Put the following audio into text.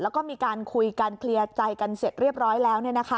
แล้วก็มีการคุยกันเคลียร์ใจกันเสร็จเรียบร้อยแล้ว